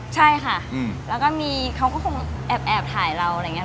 ใช่ค่ะแล้วก็มีเขาก็คงแอบถ่ายเราอะไรอย่างนี้